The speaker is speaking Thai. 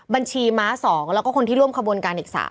บัญชีม้า๒แล้วก็คนที่ร่วมขบวนการอีก๓